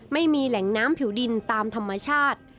ไม่มีแหล่งน้ำผิวดินตามธรรมชาติ